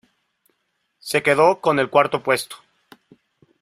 Se quedó con el cuarto puesto.